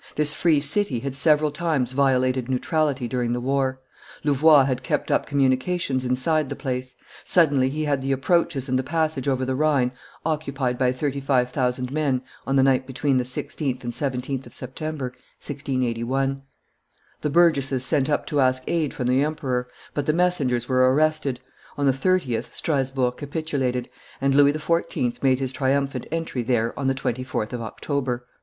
This free city had several times violated neutrality during the war; Louvois had kept up communications inside the place; suddenly he had the approaches and the passage over the Rhine occupied by thirty five thousand men on the night between the 16th and 17th of September, 1681; the burgesses sent up to ask aid from the emperor, but the messengers were arrested; on the 30th Strasburg capitulated, and Louis XIV. made his triumphant entry there on the 24th of October.